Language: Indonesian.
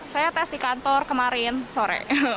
saya tes di kantor kemarin sore